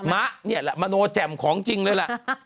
มะนี่แหละมโนแจ่มของจริงเลยล่ะ